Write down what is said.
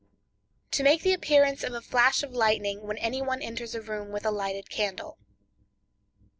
To Make the Appearance of a Flash of Lightning When Any One Enters a Room with a Lighted Candle.